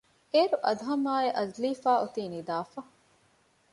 އޭރު އަދުހަމްއާއި އަޒްލީފާ އޮތީ ނިދާފަ